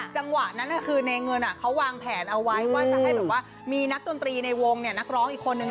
จังหวะนั้นคือเนเงินเค้าวางแผนเอาไว้ว่าใช่ไหมมีนักดนตรีในวงเนี่ยนักร้องอีกคนนึง